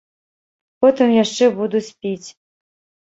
Потым яшчэ будуць піць.